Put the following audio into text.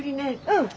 うん。